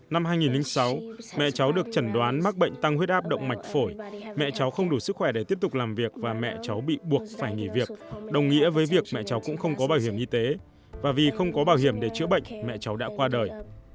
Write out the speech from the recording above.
năm hai nghìn sáu mẹ cháu được chẩn đoán mắc bệnh tăng huyết áp động mạch phổi mẹ cháu không đủ sức khỏe để tiếp tục làm việc và mẹ cháu bị buộc phải nghỉ việc đồng nghĩa với việc mẹ cháu cũng không có bảo hiểm y tế và vì không có bảo hiểm để chữa bệnh mẹ cháu đã qua đời